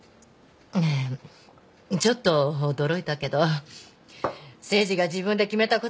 ねえちょっと驚いたけど誠治が自分で決めたことなんだから。